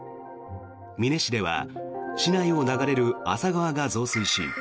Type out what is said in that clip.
美祢市では市内を流れる厚狭川が増水し